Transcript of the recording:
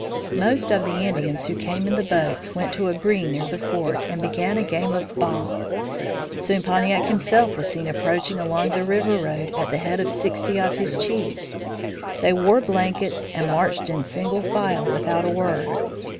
Most of the Indians who came in the boats went to a green near the fort and began a game of ball. Soon Pontiac himself was seen approaching along the river road at the head of sixty of his chiefs. They wore blankets and marched in single file without a word.